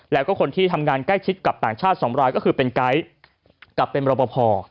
แล้วก็คนที่ทำงานใกล้ชิดกับต่างชาติ๒รายก็คือเป็นไก๊กับเป็นรบพอ